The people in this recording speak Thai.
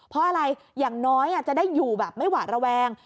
เพราะอะไรอย่างน้อยจะได้อยู่แบบไม่หวาดระแวง